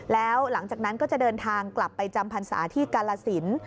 แล้วหลังจากนั้นก็จะเดินทางกลับไปจำพรรษาที่กาลสิน